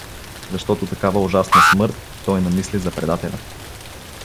Защото такава ужасна смърт той намисли за предателя.